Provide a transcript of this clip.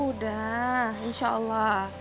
udah insya allah